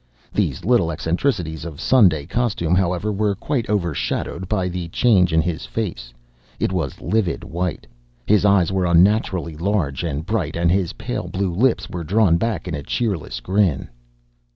These little eccentricities of Sunday costume, however, were quite overshadowed by the change in his face; it was livid white, his eyes were unnaturally large and bright, and his pale blue lips were drawn back in a cheerless grin.